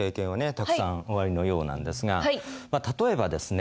たくさんおありのようなんですがまっ例えばですね